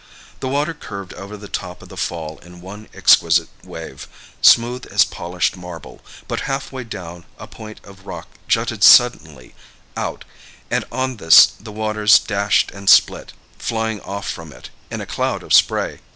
The water curved over the top of the fall in one exquisite wave, smooth as polished marble, but half way down a point of rock jutted suddenly out, and on this the waters dashed and split, flying off from it in a cloud of spray.